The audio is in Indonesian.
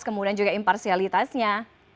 kemudian juga imparsialitasnya